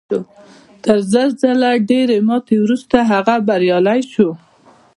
تر زر ځله ډېرې ماتې وروسته هغه بریالی شو